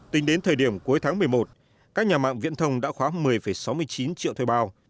tính đến thời điểm cuối tháng một mươi một các nhà mạng viễn thông đã khóa một mươi sáu mươi chín triệu thuê bao